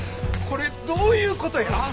これどういう事や？